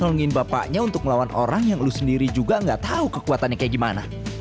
nolongin bapaknya untuk melawan orang yang lu sendiri juga gak tahu kekuatannya kayak gimana